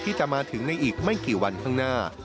ที่จะมาถึงในอีกไม่กี่วันข้างหน้า